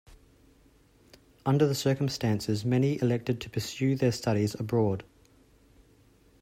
Under the circumstances many elected to pursue their studies abroad.